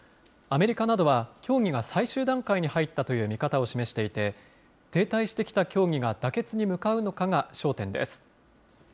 アメリカなどは、協議が最終段階に入ったという見方を示していて、停滞してきた協議が妥結に向かうのかが焦点です。